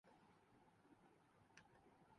اور میخانے بھی۔